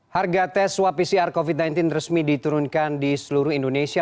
harga tes swab pcr covid sembilan belas resmi diturunkan di seluruh indonesia